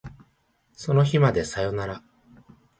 その日までさよなら